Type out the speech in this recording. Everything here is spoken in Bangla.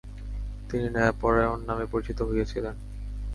তিনি "ন্যায়পরায়ণ" নামে পরিচিত হয়েছিলেন।